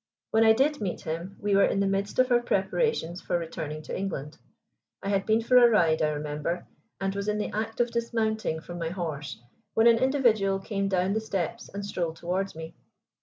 When I did meet him we were in the midst of our preparations for returning to England. I had been for a ride, I remember, and was in the act of dismounting from my horse, when an individual came down the steps and strolled towards me.